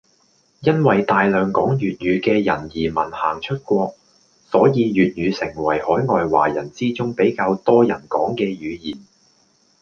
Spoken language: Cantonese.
因為大量講粵語嘅人移民行出國，所以粵語成為海外華人之中比較多人講嘅語言